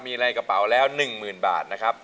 มีอะไรกระเป๋าแล้ว๑หมื่นบาทนะครับ